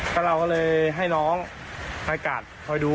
ก็เราก็เลยให้น้องคอยกัดคอยดู